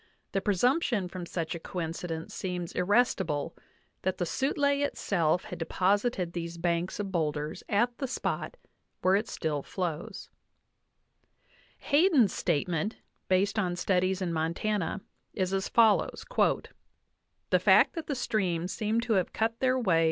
The presumption from such a coincidence seems irrestible, that the Sutlej itself had deposited these banks of boulders at the spot where it still flows" (47). Hayden's statement, based on studies in Montana, is as fol lows : "The fact that the streams seem to have cut their way"?